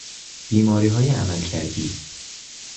بیماریهای عملکردی